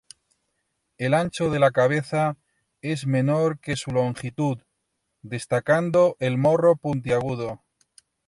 El ancho de la cabeza es menor que su longitud, destacando el morro puntiagudo.